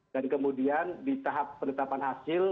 dan kemudian di tahap penetapan hasil